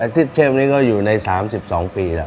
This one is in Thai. อาชีพเชฟนี่ก็อยู่ใน๓๒ปีแล้ว